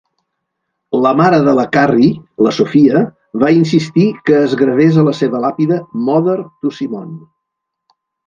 La mare de la Carrie, la Sophia, va insistir que es gravés a la seva làpida "mother to Simone".